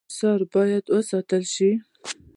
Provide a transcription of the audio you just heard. آثار باید وساتل شي